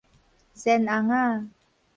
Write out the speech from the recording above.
先尪仔